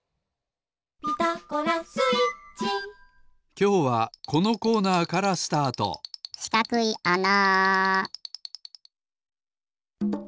きょうはこのコーナーからスタートしかくいあな！